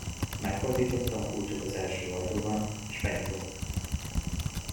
Megfordította a kulcsot az első ajtóban, és benyitott.